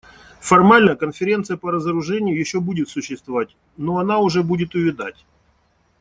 Формально Конференция по разоружению еще будет существовать, но она уже будет увядать.